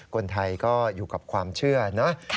คนไทยก็อยู่กับความเชื่อนะ